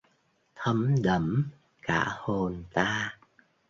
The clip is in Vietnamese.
thấm đẫm cả hồn ta.